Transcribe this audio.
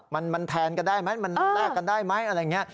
มันแทนกันได้ไหมมันแลกกันได้ไหมอะไรอย่างนี้